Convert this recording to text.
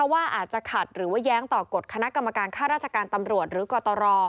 ว่าอาจจะขัดหรือว่าแย้งต่อกฎคณะกรรมการค่าราชการตำรวจหรือกตร